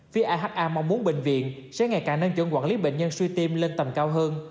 phía aha mong muốn bệnh viện sẽ ngày càng nâng chuẩn quản lý bệnh nhân suy tim lên tầm cao hơn